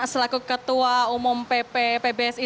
selaku ketua umum pp pbsi